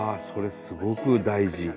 それすごく大事！